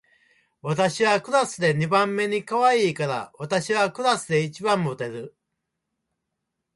私はクラスで二番目にかわいいから、私はクラスで一番モテる